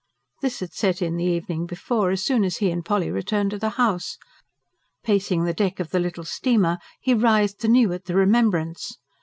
This had set in, the evening before, as soon as he and Polly returned to the house pacing the deck of the little steamer, he writhed anew at the remembrance.